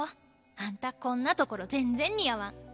あんたこんな所全然似合わん。